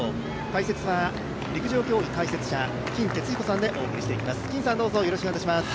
解説は陸上競技解説者、金哲彦さんでお送りしていきます。